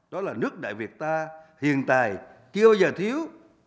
đó là nước đại việt ta hiện tài chưa bao giờ thiếu